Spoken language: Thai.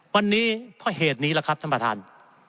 วันนี้เพราะเหตุนี้แหละครับท่านประธาน